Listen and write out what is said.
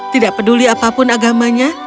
tidak peduli apapun agamanya